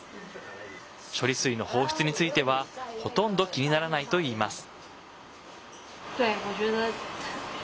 処理水の放出についてはほとんど気にならないといいます。